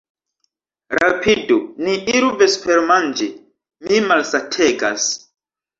Rapidu, ni iru vespermanĝi, mi malsategas.